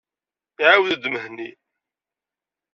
Iɛawed-d Mhenni.